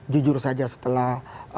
jujur saja setelah